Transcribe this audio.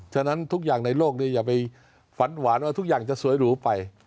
ฉะนั้นทุกอย่างในโลกนี้อย่าไปฝันหวานว่าทุกอย่างจะสวยหรูไป